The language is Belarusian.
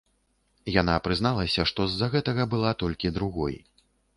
Яна прызналася, што з-за гэтага была толькі другой.